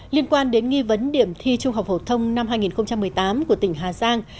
liên quan đến nghi vấn điểm thi trung học phổ thông năm hai nghìn một mươi tám của tỉnh hà giang